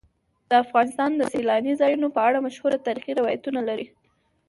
افغانستان د سیلانی ځایونه په اړه مشهور تاریخی روایتونه لري.